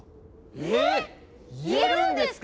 えっ言えるんですか